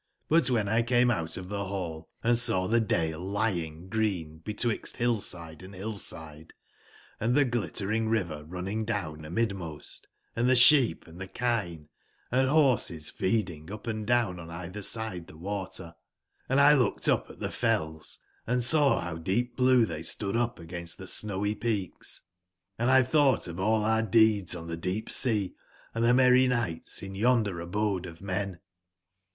But wben X came out of tbe ball, and saw tbe dale lying green betwixt bill/side and bill/side, and tbe glitter ing river running down amidmost,^ tbe sbeep, and kine, and borses feeding up and down on eitber side tbe water : and 1 looked up at tbe fells and saw bow deep blue tbey stood up against tbe snowy peaks, and 1 tbougbt of all our deeds on tbe deep sea, and tbe merry nigbts in yonder abode of men.